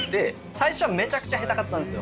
最初はめちゃくちゃ下手かったんですよ。